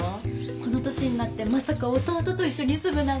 この年になってまさか弟と一緒に住むなんて！